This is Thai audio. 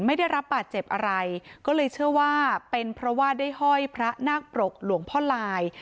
ไม่ได้รับบาดเจ็บอะไรก็เลยเชื่อว่าเป็นเพราะว่าได้ห้อยพระนาคปรกหลวงพ่อลาย